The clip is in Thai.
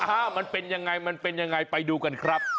มันเป็นยังไงมันเป็นยังไงไปดูกันครับ